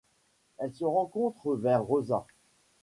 Elle se rencontre vers Rosas.